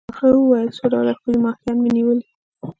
هغه وویل: څو ډوله ښکلي ماهیان مي نیولي.